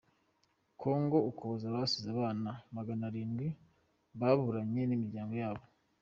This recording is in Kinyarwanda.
Kongo Ukuboza gusize abana maganarindwi baburanye n’imiryango yabo